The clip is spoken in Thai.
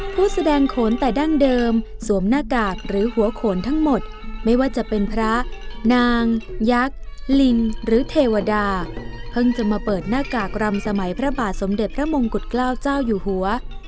ผู้แสดงโขนแต่ดั้งเดิมสวมหน้ากากหรือหัวโขนทั้งหมดไม่ว่าจะเป็นพระนางยักษ์ลิงหรือเทวดาเพิ่งจะมาเปิดหน้ากากรำสมัยพระบาทสมเด็จพระมงกุฎเกล้าเจ้าอยู่หัว